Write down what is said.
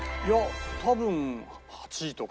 多分８位とか。